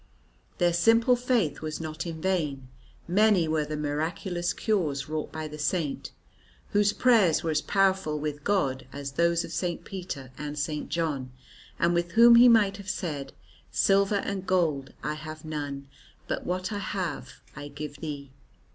Their simple faith was not in vain: many were the miraculous cures wrought by the Saint, whose prayers were as powerful with God as those of St. Peter and St. John, and with whom he might have said "silver and gold I have none, but what I have I give thee."